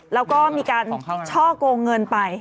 แล้วก็ช่อกลงเงินไป